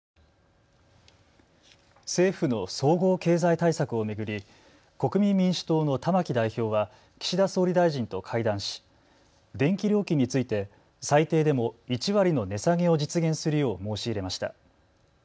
政府の総合経済対策を巡り国民民主党の玉木代表は岸田総理大臣と会談し電気料金について最低でも１割の値下げを実現するよう申し入れました。